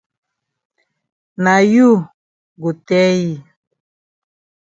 Na you go tell yi.